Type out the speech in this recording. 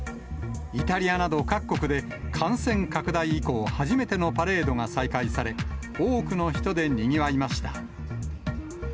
イタリアなど各国で、感染拡大以降初めてのパレードが再開され、多くの人でにぎわいました。